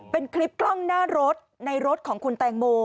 เป็นคลิปกล้องหน้ารถในรถของคุณแตงโม